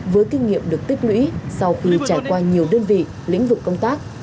với kinh nghiệm được tích lũy sau khi trải qua nhiều đơn vị lĩnh vực công tác